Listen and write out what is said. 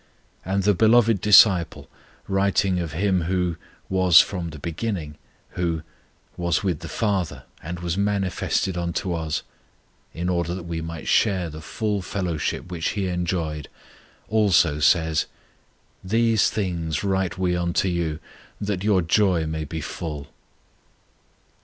And the beloved disciple, writing of Him who "was from the beginning," who "was with the FATHER, and was manifested unto us," in order that we might share the fellowship which He enjoyed, also says, "These things write we unto you, that your joy may be full."